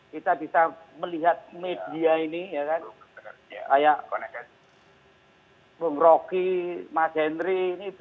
kita bisa melihat media ini kayak bung roky mas henry